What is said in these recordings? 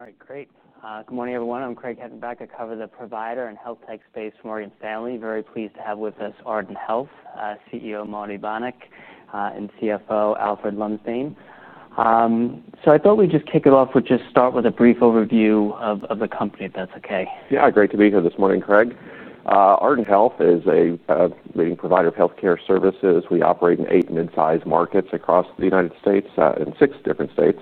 All right. Great. Good morning, everyone. I'm Craig Heddenbach. I cover the provider and health tech space for Morgan Stanley. Very pleased to have with us Ardent Health, CEO Marty Bonick, and CFO Alfred Lumsdaine. I thought we'd just kick it off with just start with a brief overview of the company, if that's okay. Yeah. Great to be here this morning, Craig. Ardent Health is a leading provider of healthcare services. We operate in eight mid-sized markets across the United States, in six different states.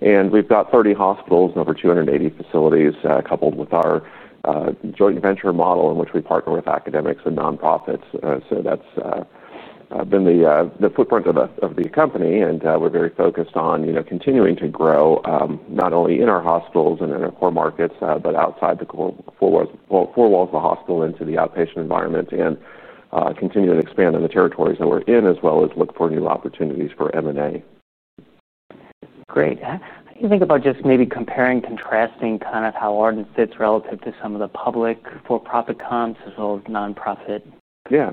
We've got 30 hospitals and over 280 facilities, coupled with our joint venture model in which we partner with academics and nonprofits. That's been the footprint of the company. We're very focused on continuing to grow, not only in our hospitals and in our core markets, but outside the core walls of the hospital into the outpatient environment, and continue to expand in the territories that we're in, as well as look for new opportunities for M&A. Great. You think about just maybe comparing, contrasting kind of how Ardent Health sits relative to some of the public for-profit comps as well as nonprofit? Yeah.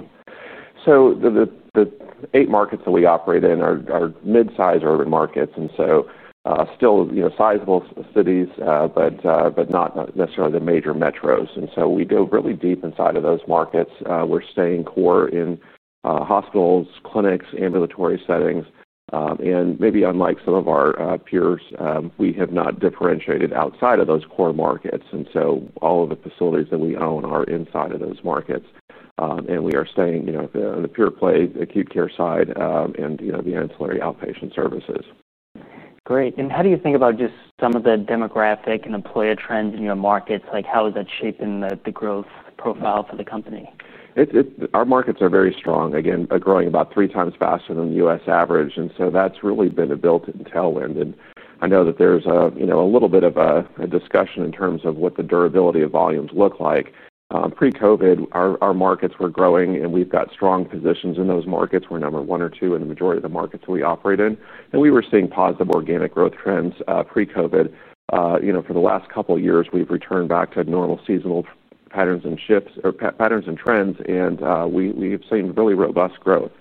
The eight markets that we operate in are mid-size urban markets. Still, you know, sizable cities, but not necessarily the major metros. We go really deep inside of those markets. We're staying core in hospitals, clinics, ambulatory settings, and maybe unlike some of our peers, we have not differentiated outside of those core markets. All of the facilities that we own are inside of those markets, and we are staying, you know, on the pure-play acute care side, and, you know, the ancillary outpatient services. Great. How do you think about just some of the demographic and employee trends in your markets? How is that shaping the growth profile for the company? Our markets are very strong, again, growing about three times faster than the U.S. average. That's really been a built-in tailwind. I know that there's a little bit of a discussion in terms of what the durability of volumes look like. Pre-COVID, our markets were growing, and we've got strong positions in those markets. We're number one or two in the majority of the markets that we operate in. We were seeing positive organic growth trends, pre-COVID. For the last couple of years, we've returned back to normal seasonal patterns and shifts or patterns and trends, and we've seen really robust growth.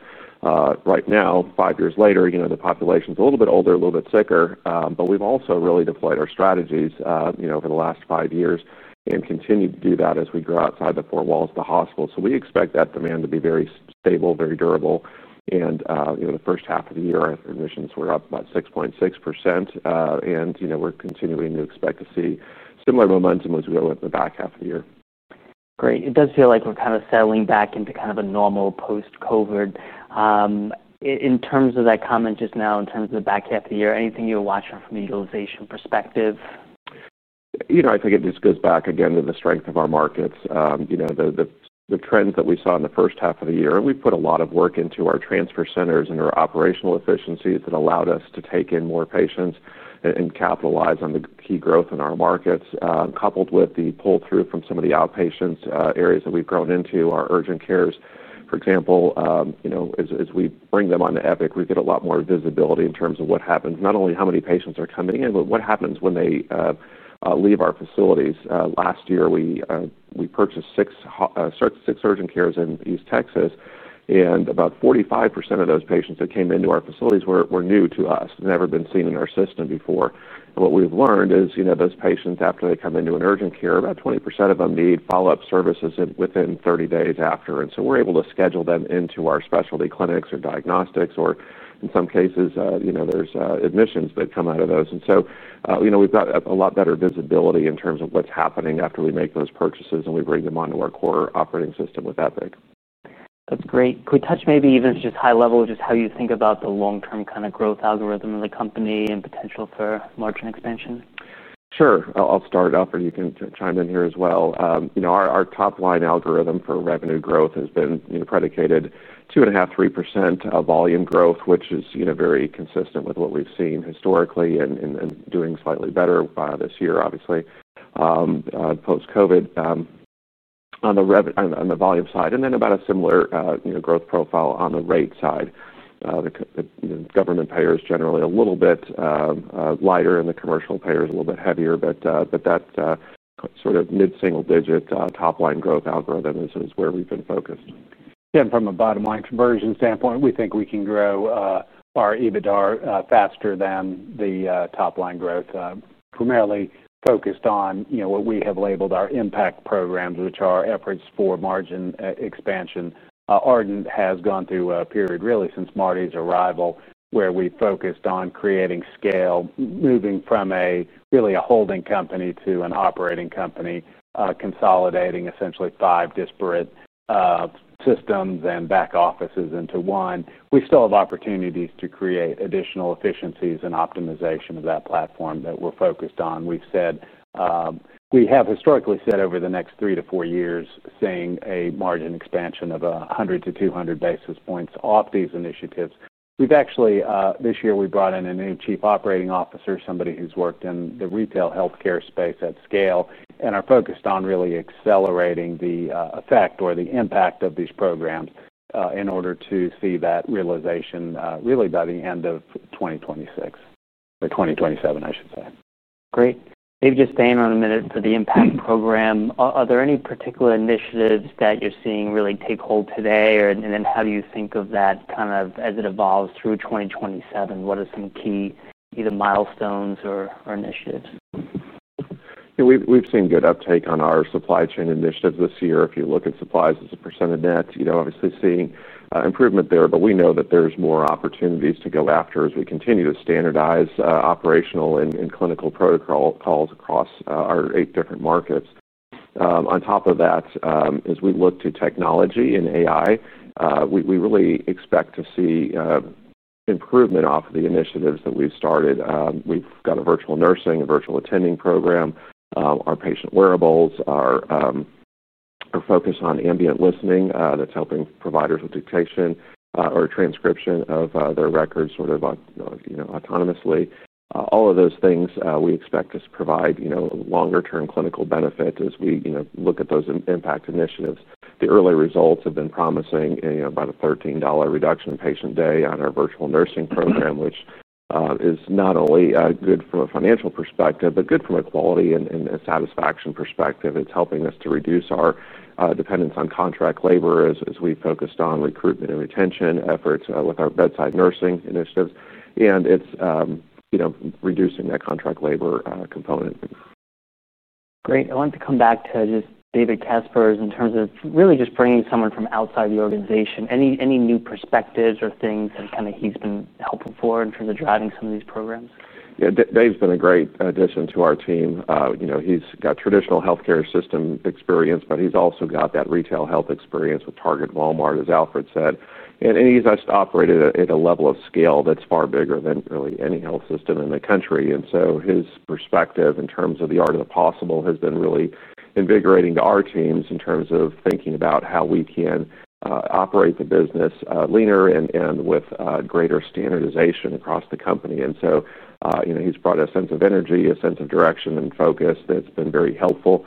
Right now, five years later, the population is a little bit older, a little bit sicker, but we've also really deployed our strategies over the last five years and continue to do that as we grow outside the four walls of the hospital. We expect that demand to be very stable, very durable. The first half of the year, our admissions were up about 6.6%, and we're continuing to expect to see similar momentum as we go with the back half of the year. Great. It does feel like we're kind of settling back into kind of a normal post-COVID, in terms of that comment just now, in terms of the back half of the year, anything you're watching from the utilization perspective? I think it just goes back, again, to the strength of our markets. You know, the trends that we saw in the first half of the year, and we put a lot of work into our transfer centers and our operational efficiencies that allowed us to take in more patients and capitalize on the key growth in our markets, coupled with the pull-through from some of the outpatient areas that we've grown into, our urgent cares. For example, as we bring them on to Epic, we get a lot more visibility in terms of what happens, not only how many patients are coming in, but what happens when they leave our facilities. Last year, we purchased six urgent cares in East Texas. About 45% of those patients that came into our facilities were new to us, never been seen in our system before. What we've learned is those patients, after they come into an urgent care, about 20% of them need follow-up services within 30 days after. We're able to schedule them into our specialty clinics or diagnostics, or in some cases, there's admissions that come out of those. We've got a lot better visibility in terms of what's happening after we make those purchases and we bring them onto our core operating system with Epic. That's great. Could we touch maybe even just high level of just how you think about the long-term kind of growth algorithm of the company and potential for margin expansion? Sure. I'll start it off, or you can chime in here as well. You know, our top-line algorithm for revenue growth has been predicated 2.5%, 3% volume growth, which is, you know, very consistent with what we've seen historically and doing slightly better this year, obviously, post-COVID, on the volume side. And then about a similar, you know, growth profile on the rate side. The, you know, government payers generally a little bit lighter, and the commercial payers a little bit heavier. That sort of mid-single-digit, top-line growth algorithm is where we've been focused. From a bottom-line conversion standpoint, we think we can grow our EBITDA faster than the top-line growth, primarily focused on what we have labeled our impact programs, which are efforts for margin expansion. Ardent Health has gone through a period really since Marty's arrival where we focused on creating scale, moving from really a holding company to an operating company, consolidating essentially five disparate systems and back offices into one. We still have opportunities to create additional efficiencies and optimization of that platform that we're focused on. We've said, we have historically said over the next three to four years, seeing a margin expansion of 100 to 200 basis points off these initiatives. This year, we brought in a new Chief Operating Officer, somebody who's worked in the retail healthcare space at scale, and are focused on really accelerating the effect or the impact of these programs in order to see that realization, really by the end of 2026 or 2027, I should say. Great. Maybe just staying on a minute for the impact program, are there any particular initiatives that you're seeing really take hold today? How do you think of that kind of as it evolves through 2027? What are some key either milestones or initiatives? Yeah. We've seen good uptake on our supply chain initiatives this year. If you look at supplies as a % of net, you know, obviously seeing improvement there. We know that there's more opportunities to go after as we continue to standardize operational and clinical protocols across our eight different markets. On top of that, as we look to technology and AI, we really expect to see improvement off of the initiatives that we've started. We've got a virtual nursing, a virtual attending program, our patient wearables, our focus on ambient listening that's helping providers with dictation or transcription of their records sort of, you know, autonomously. All of those things, we expect us to provide, you know, longer-term clinical benefit as we, you know, look at those impact initiatives. The early results have been promising, you know, about a $13 reduction in patient day on our virtual nursing program, which is not only good from a financial perspective, but good from a quality and a satisfaction perspective. It's helping us to reduce our dependence on contract labor as we focused on recruitment and retention efforts with our bedside nursing initiatives. It's, you know, reducing that contract labor component. Great. I wanted to come back to just David Styblo in terms of really just bringing someone from outside the organization. Any new perspectives or things that kind of he's been helpful for in terms of driving some of these programs? Yeah. Dave's been a great addition to our team. He's got traditional healthcare system experience, but he's also got that retail health experience with Target, Walmart, as Alfred said. He's just operated at a level of scale that's far bigger than really any health system in the country. His perspective in terms of the art of the possible has been really invigorating to our teams in terms of thinking about how we can operate the business leaner and with greater standardization across the company. He's brought a sense of energy, a sense of direction and focus that's been very helpful,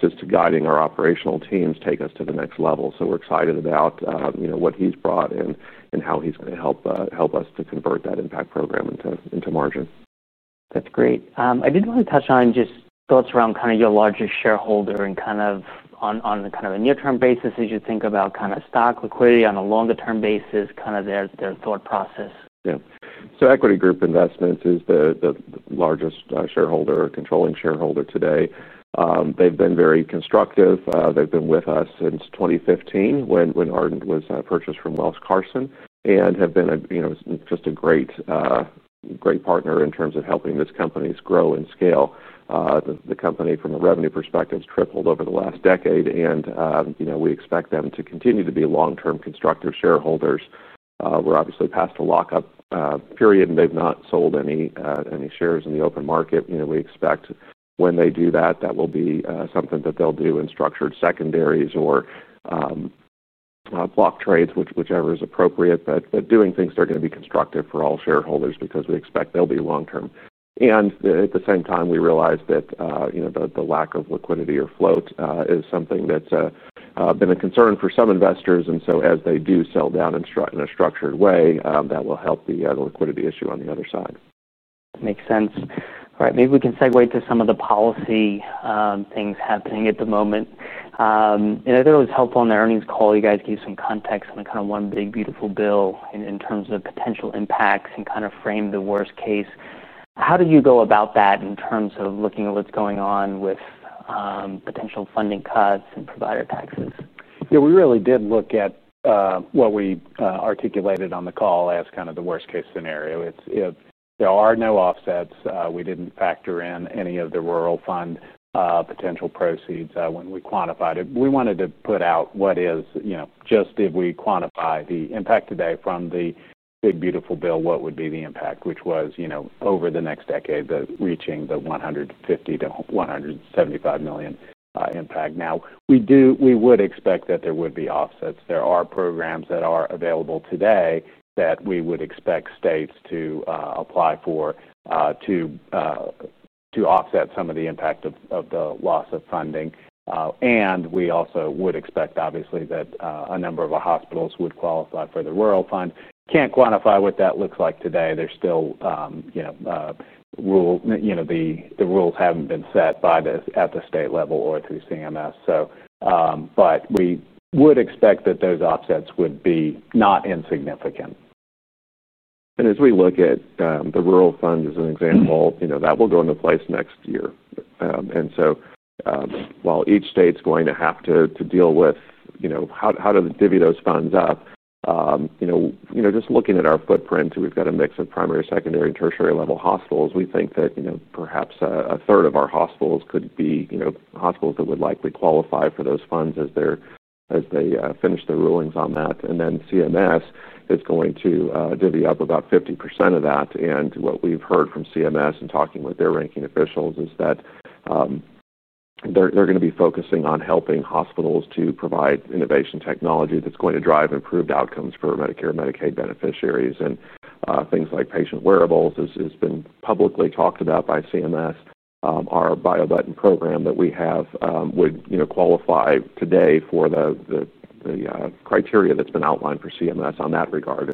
just to guiding our operational teams take us to the next level. We're excited about what he's brought and how he's going to help us to convert that impact program into margin. That's great. I did want to touch on thoughts around your largest shareholder and on a near-term basis as you think about stock liquidity. On a longer-term basis, their thought process. Yeah. Equity Group Investments is the largest shareholder, a controlling shareholder today. They've been very constructive. They've been with us since 2015 when Ardent Health was purchased from Wells Fargo and have been a, you know, just a great, great partner in terms of helping these companies grow and scale. The company from a revenue perspective has tripled over the last decade, and we expect them to continue to be long-term constructive shareholders. We're obviously past a lockup period, and they've not sold any shares in the open market. We expect when they do that, that will be something that they'll do in structured secondaries or block trades, whichever is appropriate. Doing things that are going to be constructive for all shareholders because we expect they'll be long-term. At the same time, we realize that the lack of liquidity or float is something that's been a concern for some investors. As they do sell down in a structured way, that will help the liquidity issue on the other side. Makes sense. All right. Maybe we can segue to some of the policy things happening at the moment. I thought it was helpful in the earnings call you guys gave some context on the kind of one big beautiful bill in terms of potential impacts and kind of frame the worst case. How do you go about that in terms of looking at what's going on with potential funding cuts and provider taxes? Yeah. We really did look at what we articulated on the call as kind of the worst-case scenario. It's, you know, there are no offsets. We didn't factor in any of the rural fund potential proceeds when we quantified it. We wanted to put out what is, you know, just if we quantify the impact today from the big beautiful bill, what would be the impact, which was, you know, over the next decade, reaching the $150 to $175 million impact. Now, we do, we would expect that there would be offsets. There are programs that are available today that we would expect states to apply for to offset some of the impact of the loss of funding. We also would expect, obviously, that a number of hospitals would qualify for the rural fund. Can't quantify what that looks like today. There's still, you know, the rules haven't been set by this at the state level or through CMS. We would expect that those offsets would be not insignificant. As we look at the rural fund as an example, that will go into place next year. While each state's going to have to deal with how to divvy those funds up, just looking at our footprint, we've got a mix of primary, secondary, and tertiary-level hospitals. We think that perhaps a third of our hospitals could be hospitals that would likely qualify for those funds as they finish their rulings on that. CMS is going to divvy up about 50% of that. What we've heard from CMS in talking with their ranking officials is that they're going to be focusing on helping hospitals to provide innovation technology that's going to drive improved outcomes for Medicare and Medicaid beneficiaries. Things like patient wearables, this has been publicly talked about by CMS. Our BioButton program that we have would qualify today for the criteria that's been outlined for CMS on that regard.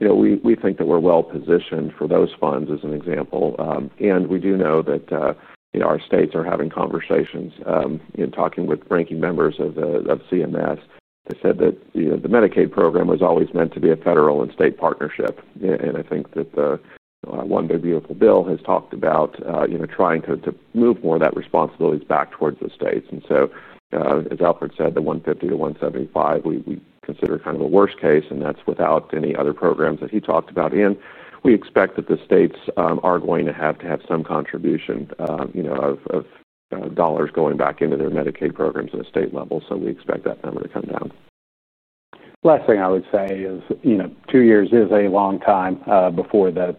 We think that we're well positioned for those funds as an example. We do know that our states are having conversations, talking with ranking members of CMS. They said that the Medicaid program was always meant to be a federal and state partnership. I think that the one big beautiful bill has talked about trying to move more of that responsibility back towards the states. As Alfred said, the $150 million to $175 million, we consider kind of a worst case, and that's without any other programs that he talked about. We expect that the states are going to have to have some contribution, you know, of dollars going back into their Medicaid programs at a state level. We expect that number to come down. Last thing I would say is, you know, two years is a long time before the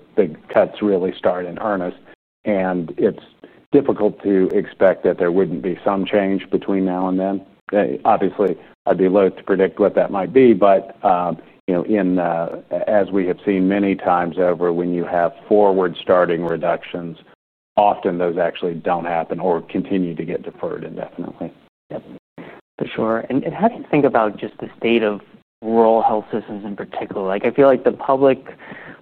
cuts really start in earnest. It's difficult to expect that there wouldn't be some change between now and then. Obviously, I'd be loath to predict what that might be, but, you know, as we have seen many times over, when you have forward starting reductions, often those actually don't happen or continue to get deferred indefinitely. Yeah. For sure. How do you think about just the state of rural health systems in particular? I feel like the public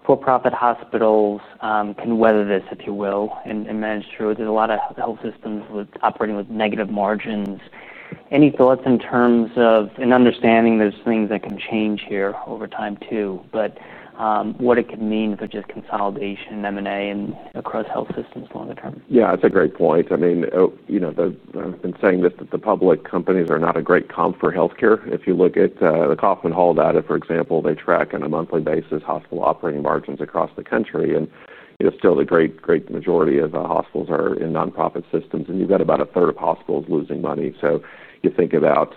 for-profit hospitals, and whether this, if you will, and manage through, there's a lot of health systems operating with negative margins. Any thoughts in terms of an understanding there's things that can change here over time, too, but what it could mean if there's just consolidation and M&A across health systems longer term? Yeah. That's a great point. I mean, you know, I've been saying this that the public companies are not a great comp for healthcare. If you look at the Kaufman Hall data, for example, they track on a monthly basis hospital operating margins across the country. You know, still, the great, great majority of the hospitals are in nonprofit systems. You've got about a third of hospitals losing money. You think about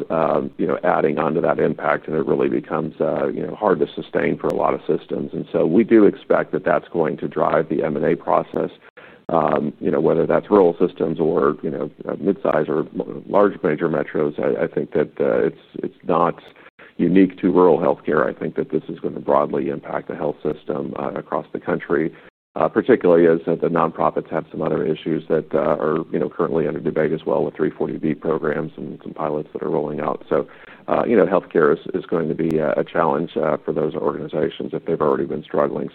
adding on to that impact, and it really becomes hard to sustain for a lot of systems. We do expect that that's going to drive the M&A process, you know, whether that's rural systems or mid-size or large major metros. I think that it's not unique to rural healthcare. I think that this is going to broadly impact the health system across the country, particularly as the nonprofits have some other issues that are currently under debate as well with 340B programs and some pilots that are rolling out. Healthcare is going to be a challenge for those organizations if they've already been struggling.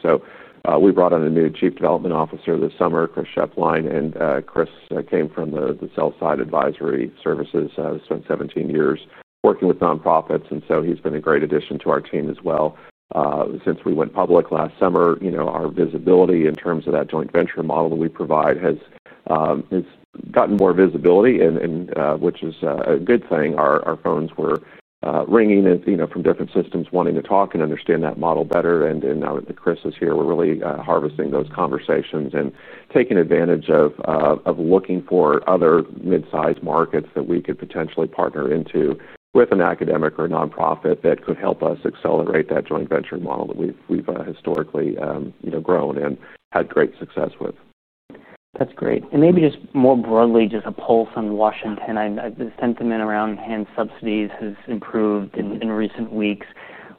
We brought in a new Chief Development Officer this summer, Chris Schefflein, and Chris came from the sell-side advisory services, spent 17 years working with nonprofits. He's been a great addition to our team as well. Since we went public last summer, our visibility in terms of that joint venture model that we provide has gotten more visibility, which is a good thing. Our phones were ringing from different systems wanting to talk and understand that model better. Now that Chris is here, we're really harvesting those conversations and taking advantage of looking for other mid-size markets that we could potentially partner into with an academic or a nonprofit that could help us accelerate that joint venture model that we've historically grown and had great success with. That's great. Maybe just more broadly, just a pull from Washington. The sentiment around hand subsidies has improved in recent weeks.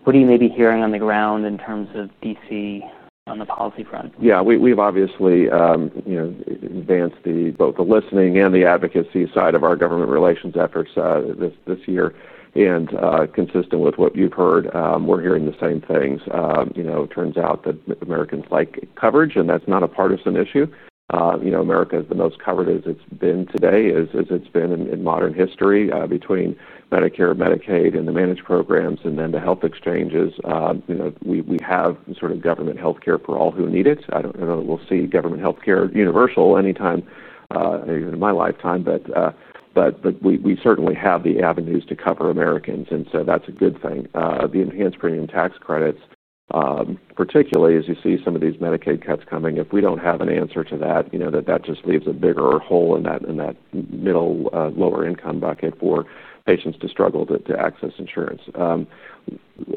What are you maybe hearing on the ground in terms of D.C. on the policy front? Yeah. We've obviously advanced both the listening and the advocacy side of our government relations efforts this year. Consistent with what you've heard, we're hearing the same things. It turns out that Americans like coverage, and that's not a partisan issue. America is the most covered as it's been today, as it's been in modern history, between Medicare, Medicaid, and the managed programs, and then the health exchanges. We have sort of government healthcare for all who need it. I don't know that we'll see government healthcare universal anytime, in my lifetime, but we certainly have the avenues to cover Americans. That's a good thing. The enhanced premium tax credits, particularly as you see some of these Medicaid cuts coming, if we don't have an answer to that, that just leaves a bigger hole in that middle, lower-income bucket for patients to struggle to access insurance.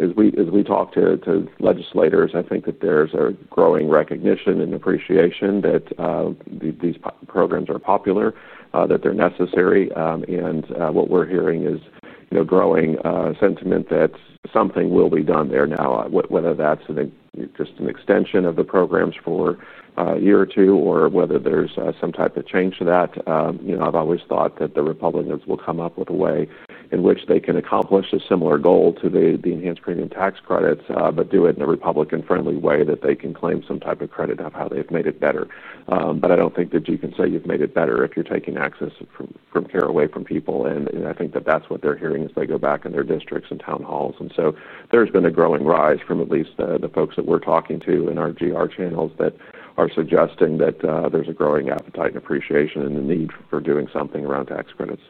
As we talk to legislators, I think that there's a growing recognition and appreciation that these programs are popular, that they're necessary. What we're hearing is growing sentiment that something will be done there now, whether that's just an extension of the programs for a year or two or whether there's some type of change to that. I've always thought that the Republicans will come up with a way in which they can accomplish a similar goal to the enhanced premium tax credits, but do it in a Republican-friendly way that they can claim some type of credit of how they've made it better. I don't think that you can say you've made it better if you're taking access from care away from people. I think that that's what they're hearing as they go back in their districts and town halls. There's been a growing rise from at least the folks that we're talking to in our GR channels that are suggesting that there's a growing appetite and appreciation and a need for doing something around tax credits.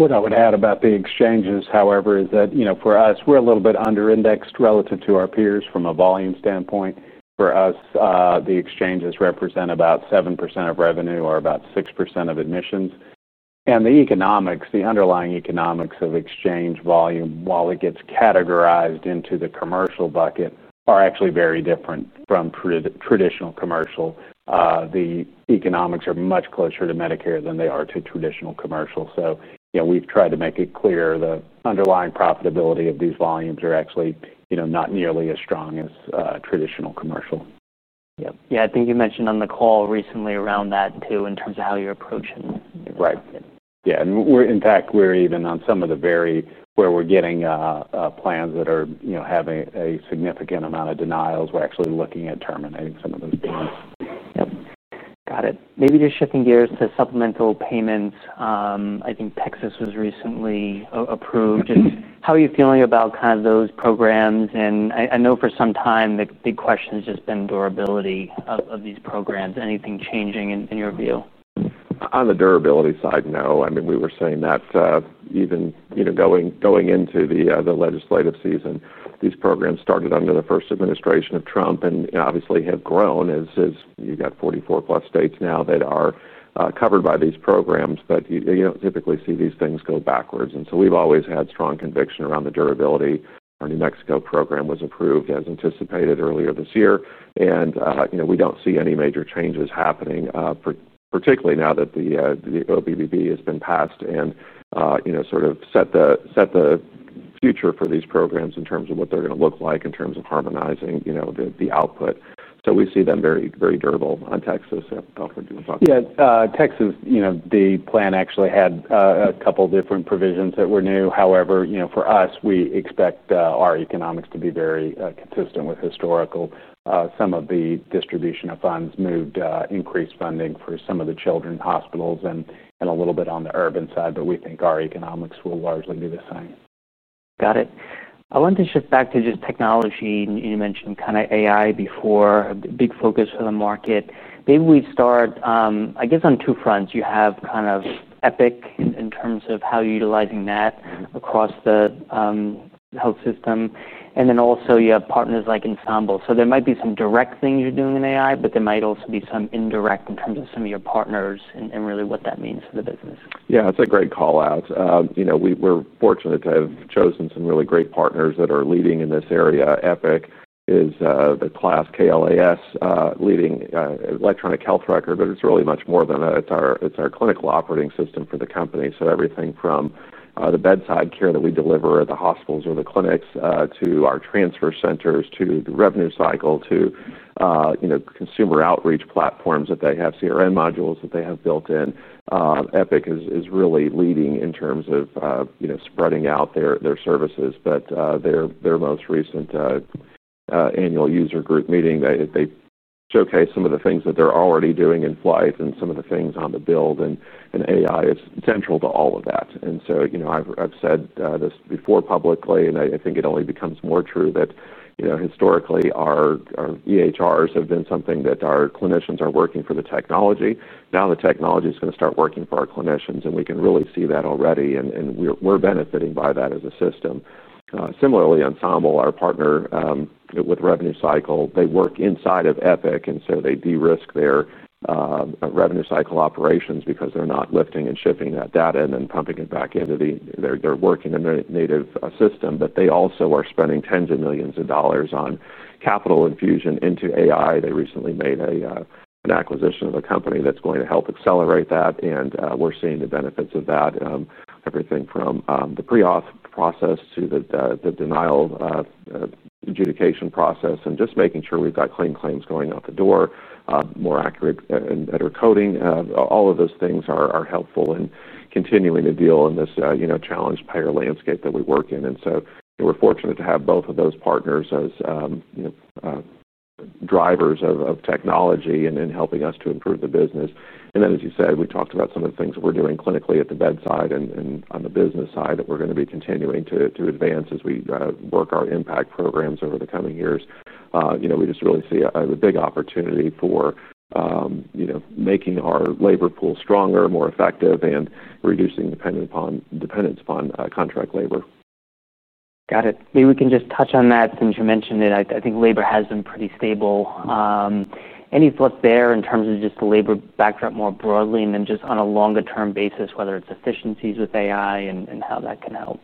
What I would add about the exchanges, however, is that, you know, for us, we're a little bit under-indexed relative to our peers from a volume standpoint. For us, the exchanges represent about 7% of revenue or about 6% of admissions. The economics, the underlying economics of exchange volume, while it gets categorized into the commercial bucket, are actually very different from traditional commercial. The economics are much closer to Medicare than they are to traditional commercial. We've tried to make it clear the underlying profitability of these volumes are actually, you know, not nearly as strong as traditional commercial. Yeah, I think you mentioned on the call recently around that, too, in terms of how you're approaching. Right. We're even on some of the very, where we're getting plans that are having a significant amount of denials. We're actually looking at terminating some of those plans. Got it. Maybe just shifting gears to supplemental payments. I think Texas was recently approved. How are you feeling about kind of those programs? I know for some time, the big question has just been durability of these programs. Anything changing in your view? On the durability side, no. I mean, we were saying that, even going into the legislative season, these programs started under the first administration of Trump and obviously have grown as you've got 44-plus states now that are covered by these programs. You don't typically see these things go backwards, and we've always had strong conviction around the durability. Our New Mexico program was approved as anticipated earlier this year, and we don't see any major changes happening, particularly now that the OBBB has been passed and set the future for these programs in terms of what they're going to look like in terms of harmonizing the output. We see them very, very durable. On Texas, yeah, Alfred, do you want to talk? Yeah. Texas, you know, the plan actually had a couple of different provisions that were new. However, you know, for us, we expect our economics to be very consistent with historical. Some of the distribution of funds moved, increased funding for some of the children hospitals and a little bit on the urban side, but we think our economics will largely be the same. Got it. I wanted to shift back to just technology. You mentioned kind of AI before, a big focus for the market. Maybe we start, I guess on two fronts. You have kind of Epic in terms of how you're utilizing that across the health system. You also have partners like Ensemble. There might be some direct things you're doing in AI, but there might also be some indirect in terms of some of your partners and really what that means for the business. Yeah. That's a great call out. We're fortunate to have chosen some really great partners that are leading in this area. Epic is the KLAS leading electronic health record, but it's really much more than that. It's our clinical operating system for the company. Everything from the bedside care that we deliver at the hospitals or the clinics, to our transfer centers, to the revenue cycle, to consumer outreach platforms that they have, CRM modules that they have built in. Epic is really leading in terms of spreading out their services. At their most recent annual user group meeting, they showcased some of the things that they're already doing in flight and some of the things on the build, and AI is central to all of that. I've said this before publicly, and I think it only becomes more true that historically, our EHRs have been something that our clinicians are working for the technology. Now the technology is going to start working for our clinicians, and we can really see that already. We're benefiting by that as a system. Similarly, Ensemble, our partner with revenue cycle, they work inside of Epic. They de-risk their revenue cycle operations because they're not lifting and shipping that data and then pumping it back in; they're working in their native system. They also are spending tens of millions of dollars on capital infusion into AI. They recently made an acquisition of a company that's going to help accelerate that. We're seeing the benefits of that, everything from the pre-auth process to the denial adjudication process and just making sure we've got clean claims going out the door, more accurate and better coding. All of those things are helpful in continuing to deal in this challenged payer landscape that we work in. We're fortunate to have both of those partners as drivers of technology and helping us to improve the business. As you said, we talked about some of the things that we're doing clinically at the bedside and on the business side that we're going to be continuing to advance as we work our impact programs over the coming years. We just really see a big opportunity for making our labor pool stronger, more effective, and reducing the dependence upon contract labor. Got it. Maybe we can just touch on that since you mentioned it. I think labor has been pretty stable. Any flip there in terms of just the labor backdrop more broadly, and then just on a longer-term basis, whether it's efficiencies with AI and how that can help?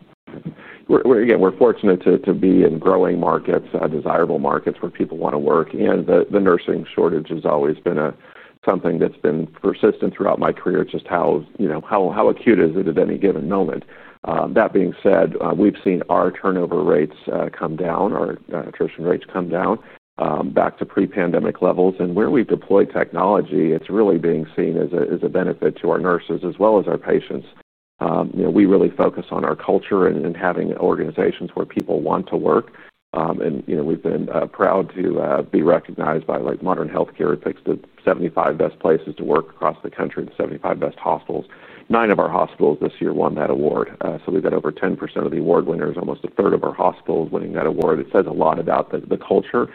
We're fortunate to be in growing markets, desirable markets where people want to work. The nursing shortage has always been something that's been persistent throughout my career, just how acute is it at any given moment. That being said, we've seen our turnover rates come down, our attrition rates come down, back to pre-pandemic levels. Where we've deployed technology, it's really being seen as a benefit to our nurses as well as our patients. We really focus on our culture and having organizations where people want to work. We've been proud to be recognized by Modern Healthcare. It picked the 75 best places to work across the country and the 75 best hospitals. Nine of our hospitals this year won that award. We've got over 10% of the award winners, almost a third of our hospitals winning that award. It says a lot about the culture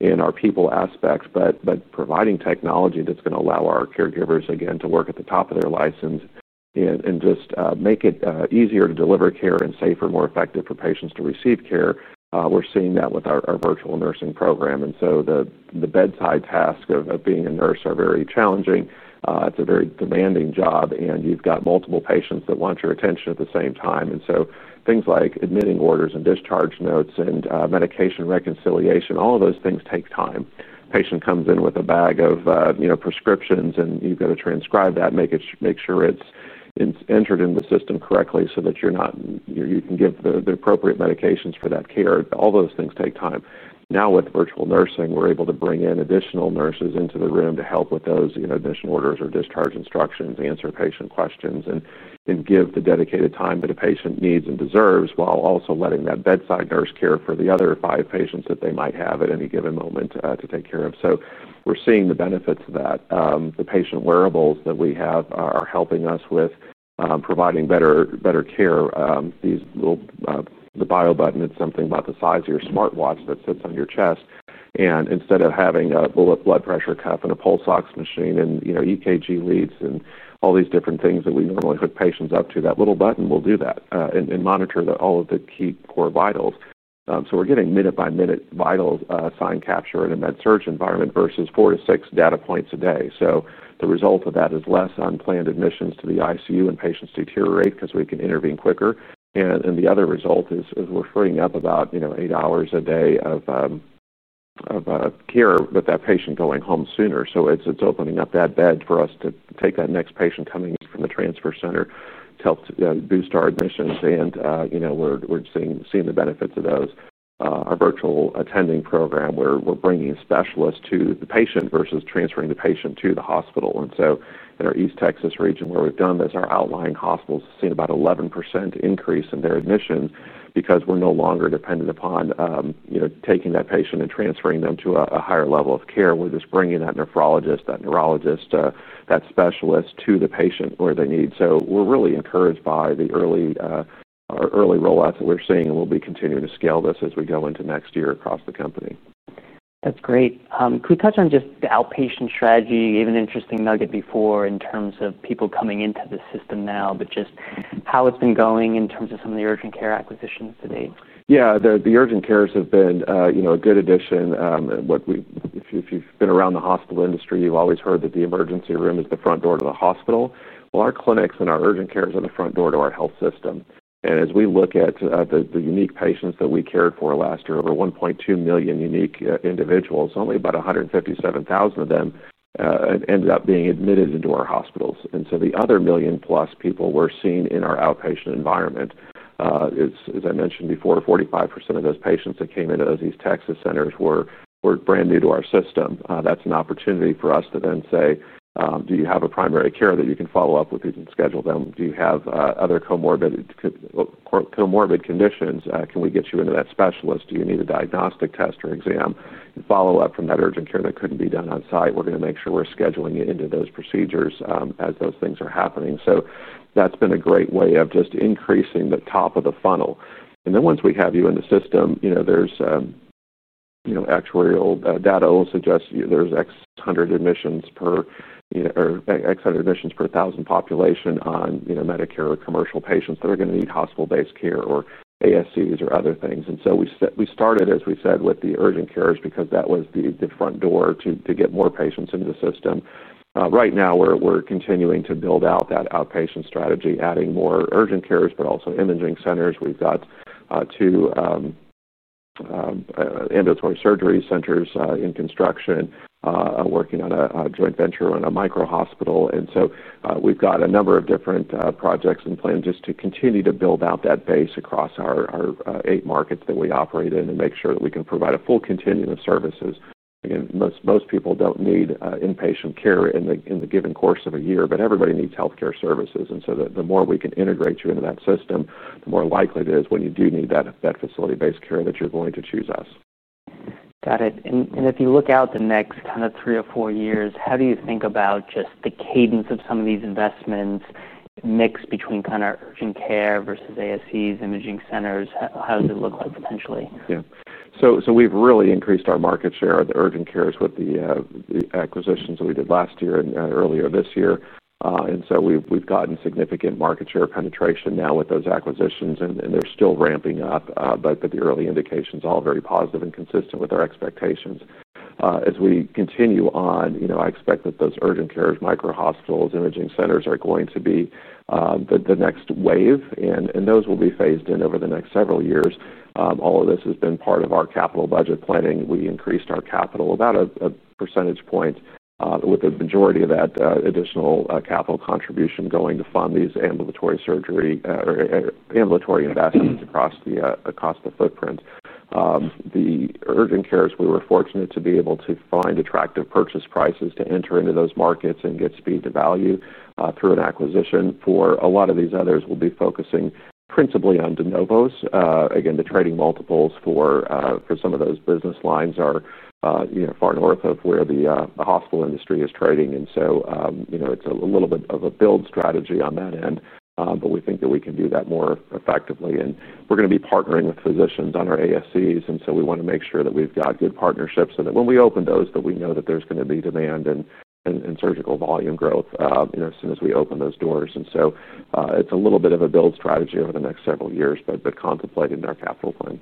and our people aspects, but providing technology that's going to allow our caregivers to work at the top of their license and make it easier to deliver care and safer, more effective for patients to receive care. We're seeing that with our virtual nursing program. The bedside task of being a nurse is very challenging. It's a very demanding job, and you've got multiple patients that want your attention at the same time. Things like admitting orders and discharge notes and medication reconciliation, all of those things take time. The patient comes in with a bag of prescriptions, and you've got to transcribe that, make sure it's entered in the system correctly so that you can give the appropriate medications for that care. All those things take time. Now, with virtual nursing, we're able to bring in additional nurses into the room to help with those initial orders or discharge instructions, answer patient questions, and give the dedicated time that a patient needs and deserves while also letting that bedside nurse care for the other five patients that they might have at any given moment to take care of. We're seeing the benefits of that. The patient wearables that we have are helping us with providing better care. The BioButton, it's something about the size of your smartwatch that sits on your chest. Instead of having a little blood pressure cuff and a pulse ox machine and, you know, EKG leads and all these different things that we normally hook patients up to, that little button will do that and monitor all of the key core vitals. We're getting minute-by-minute vital sign capture in a med-surg environment versus four to six data points a day. The result of that is less unplanned admissions to the ICU and patients deteriorate because we can intervene quicker. The other result is we're freeing up about eight hours a day of care with that patient going home sooner. It's opening up that bed for us to take that next patient coming from the transfer center to help boost our admissions. We're seeing the benefits of those. Our virtual attending program is where we're bringing specialists to the patient versus transferring the patient to the hospital. In our East Texas region where we've done this, our outlying hospitals have seen about an 11% increase in their admission because we're no longer dependent upon taking that patient and transferring them to a higher level of care. We're just bringing that nephrologist, that neurologist, that specialist to the patient where they need. We're really encouraged by the early rollouts that we're seeing. We'll be continuing to scale this as we go into next year across the company. That's great. Could we touch on just the outpatient strategy? You gave an interesting nugget before in terms of people coming into the system now, but just how it's been going in terms of some of the urgent care acquisitions to date? Yeah. The urgent cares have been, you know, a good addition. What we, if you've been around the hospital industry, you've always heard that the emergency room is the front door to the hospital. Our clinics and our urgent cares are the front door to our health system. As we look at the unique patients that we cared for last year, over 1.2 million unique individuals, only about 157,000 of them ended up being admitted into our hospitals. The other million-plus people we're seeing in our outpatient environment, it's, as I mentioned before, 45% of those patients that came into those East Texas centers were brand new to our system. That's an opportunity for us to then say, do you have a primary care that you can follow up with? You can schedule them. Do you have other comorbid conditions? Can we get you into that specialist? Do you need a diagnostic test or exam? Follow up from that urgent care that couldn't be done on site. We're going to make sure we're scheduling you into those procedures, as those things are happening. That's been a great way of just increasing the top of the funnel. Once we have you in the system, you know, there's, you know, actuarial data will suggest you there's X hundred admissions per, you know, or X hundred admissions per thousand population on, you know, Medicare or commercial patients that are going to need hospital-based care or ASCs or other things. We started, as we said, with the urgent cares because that was the front door to get more patients into the system. Right now, we're continuing to build out that outpatient strategy, adding more urgent cares, but also imaging centers. We've got two ambulatory surgery centers in construction, working on a joint venture on a micro hospital. We've got a number of different projects and plans just to continue to build out that base across our eight markets that we operate in and make sure that we can provide a full continuum of services. Again, most people don't need inpatient care in the given course of a year, but everybody needs healthcare services. The more we can integrate you into that system, the more likely it is when you do need that facility-based care that you're going to choose us. Got it. If you look out the next kind of three or four years, how do you think about just the cadence of some of these investments mixed between kind of urgent care versus ASCs, imaging centers? How does it look like potentially? Yeah. We've really increased our market share of the urgent cares with the acquisitions that we did last year and earlier this year. We've gotten significant market share penetration now with those acquisitions, and they're still ramping up, but the early indications are all very positive and consistent with our expectations. As we continue on, I expect that those urgent cares, micro hospitals, imaging centers are going to be the next wave, and those will be phased in over the next several years. All of this has been part of our capital budget planning. We increased our capital about 1% with a majority of that additional capital contribution going to fund these ambulatory surgery or ambulatory investments across the footprint. The urgent cares, we were fortunate to be able to find attractive purchase prices to enter into those markets and get speed to value through an acquisition. For a lot of these others, we'll be focusing principally on de novos. The trading multiples for some of those business lines are far north of where the hospital industry is trading. It's a little bit of a build strategy on that end, but we think that we can do that more effectively. We're going to be partnering with physicians on our ASCs. We want to make sure that we've got good partnerships so that when we open those, we know that there's going to be demand and surgical volume growth as soon as we open those doors. It's a little bit of a build strategy over the next several years, but contemplated in our capital plan.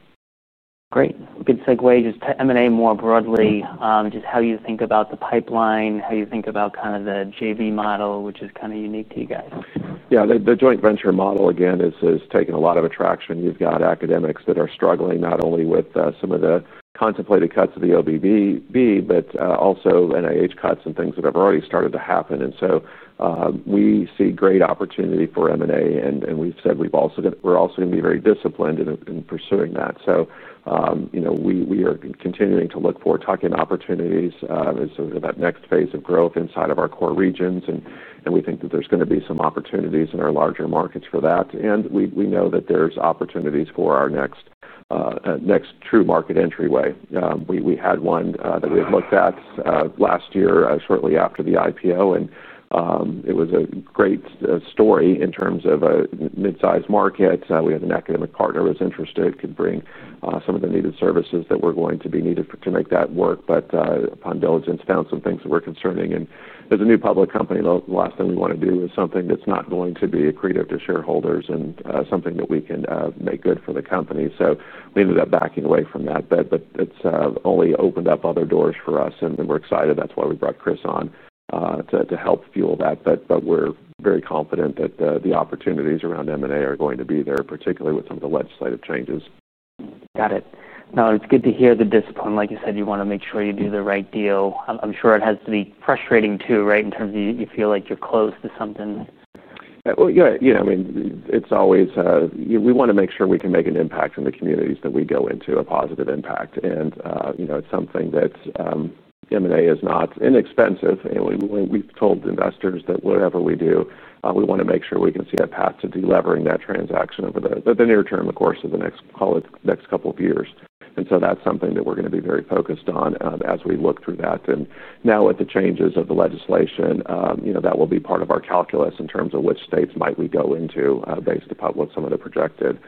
Great. Good segue just to M&A more broadly, just how you think about the pipeline, how you think about kind of the joint venture model, which is kind of unique to you guys. Yeah. The joint venture model, again, has taken a lot of attraction. You've got academics that are struggling not only with some of the contemplated cuts of the OBBB, but also NIH cuts and things that have already started to happen. We see great opportunity for M&A. We've said we're also going to be very disciplined in pursuing that. We are continuing to look forward to talking opportunities as to that next phase of growth inside of our core regions. We think that there's going to be some opportunities in our larger markets for that. We know that there's opportunities for our next, next true market entryway. We had one that we had looked at last year, shortly after the IPO. It was a great story in terms of a mid-sized market. We had an academic partner that was interested, could bring some of the needed services that were going to be needed to make that work. Upon diligence, found some things that were concerning. As a new public company, the last thing we want to do is something that's not going to be accretive to shareholders and something that we can make good for the company. We ended up backing away from that. It's only opened up other doors for us. We're excited. That's why we brought Chris on, to help fuel that. We're very confident that the opportunities around M&A are going to be there, particularly with some of the legislative changes. Got it. No, it's good to hear the discipline. Like you said, you want to make sure you do the right deal. I'm sure it has to be frustrating too, right, in terms of you feel like you're close to something. You know, I mean, it's always, we want to make sure we can make an impact in the communities that we go into, a positive impact. You know, it's something that, M&A is not inexpensive. We've told investors that whatever we do, we want to make sure we can see a path to delivering that transaction over the near term, of course, in the next, call it, next couple of years. That's something that we're going to be very focused on, as we look through that. Now with the changes of the legislation, you know, that will be part of our calculus in terms of which states might we go into, based upon what some of the projected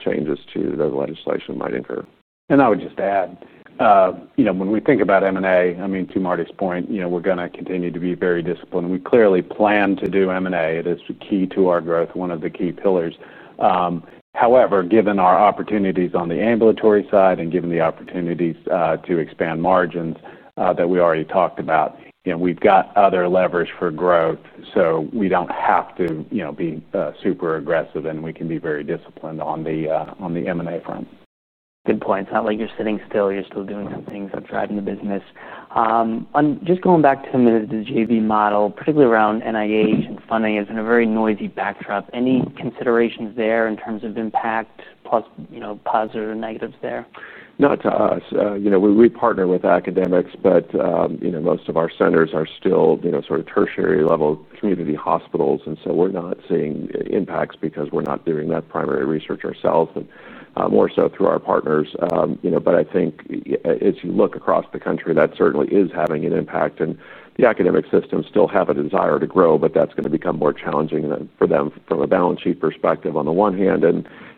changes to the legislation might incur. I would just add, you know, when we think about M&A, to Marty's point, we're going to continue to be very disciplined. We clearly plan to do M&A. It is key to our growth, one of the key pillars. However, given our opportunities on the ambulatory side and given the opportunities to expand margins that we already talked about, we've got other levers for growth. We don't have to be super aggressive, and we can be very disciplined on the M&A front. Good point. It's not like you're sitting still. You're still doing some things that drive the business. Just going back for a minute to the joint venture model, particularly around NIH funding, it's been a very noisy backdrop. Any considerations there in terms of impact, plus, you know, positives or negatives there? Not to us. You know, we partner with academics, but most of our centers are still, you know, sort of tertiary-level community hospitals. We're not seeing impacts because we're not doing that primary research ourselves, but more so through our partners. I think as you look across the country, that certainly is having an impact. The academic systems still have a desire to grow, but that's going to become more challenging for them from a balance sheet perspective on the one hand.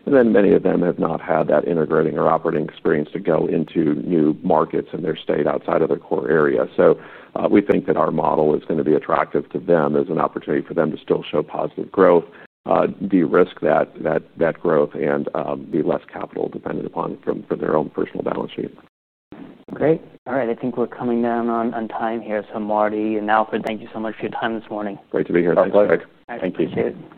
Many of them have not had that integrating or operating experience to go into new markets in their state outside of their core area. We think that our model is going to be attractive to them as an opportunity for them to still show positive growth, de-risk that growth, and be less capital dependent upon from their own personal balance sheet. Great. All right. I think we're coming down on time here. Marty and Alfred, thank you so much for your time this morning. Great to be here. Thank you. Thank you. Thank you.